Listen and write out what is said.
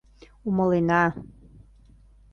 Умылена...